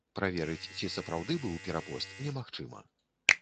Праверыць, ці сапраўды быў перапост, немагчыма.